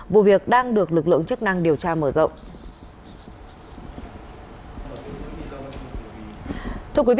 vụ việc đang được lực lượng chức năng điều tra mở rộng